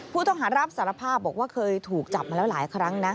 ผู้ต้องหารับสารภาพบอกว่าเคยถูกจับมาแล้วหลายครั้งนะ